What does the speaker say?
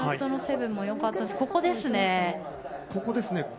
ここですね。